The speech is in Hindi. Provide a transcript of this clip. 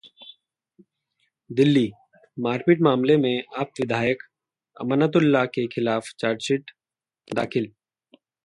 दिल्ली: मारपीट मामले में आप विधायक अमानतुल्लाह के खिलाफ चार्जशीट दाखिल